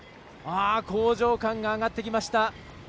興譲館が上がってきました。